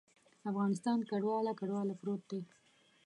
افغانستان کنډواله، کنډواله پروت دی.